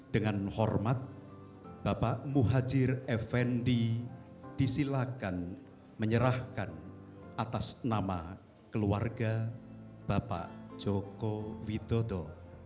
dengan hormat bapak muhajir effendi disilakan menyerahkan atas nama keluarga bapak joko widodo